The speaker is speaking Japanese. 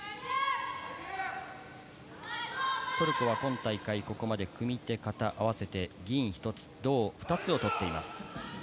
トルコは今大会、ここまで組手、形、合わせて銀１つ、銅２つを取っています。